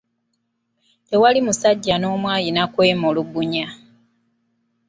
Tiwali musajja n'omu yalina kwemulugunya.